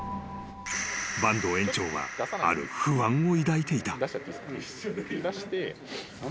［坂東園長はある不安を抱いていた］